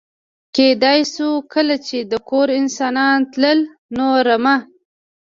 کېدای شو کله چې د کور انسان تلل، نو رمه.